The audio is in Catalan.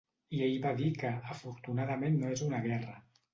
I ell va dir que ‘afortunadament no és una guerra’.